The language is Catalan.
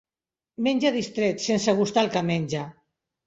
Menja distret, sense gustar el que menja.